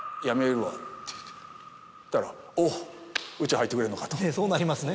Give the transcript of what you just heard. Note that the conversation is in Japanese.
そしたら「おっ家入ってくれるのか」と。そうなりますね。